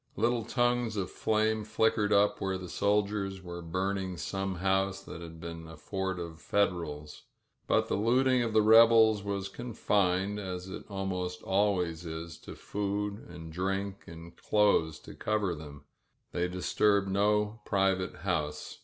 Little tongues of flame flickered up where the soldiers were burning some house that had been a fort of Federals. But the looting of the rebels was confined, as it almost always is, to food, and drink, and clothes to cover them. They disturbed no private house.